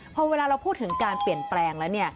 พอเวลาเราพูดถึงการเปลี่ยนแปลงแล้ว